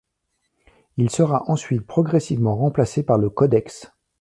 Il sera ensuite progressivement remplacé par le codex.